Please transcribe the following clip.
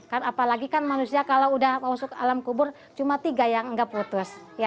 kan apalagi kan manusia kalau udah masuk alam kubur cuma tiga yang nggak putus